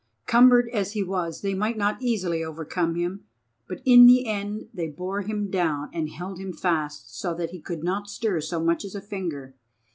Cumbered as he was, they might not easily overcome him, but in the end they bore him down and held him fast, so that he could not stir so much as a finger.